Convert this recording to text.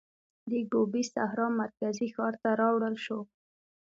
د ګوبي سحرا مرکزي ښار ته راوړل شو.